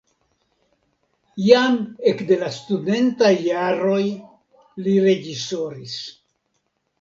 Jam ekde la studentaj jaroj li reĝisoris.